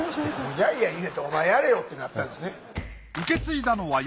やいやい言うんやったらお前やれよってなったんですね。